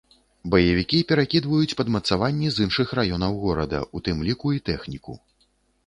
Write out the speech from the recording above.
Баевікі перакідваюць падмацаванні з іншых раёнаў горада, у тым ліку і тэхніку.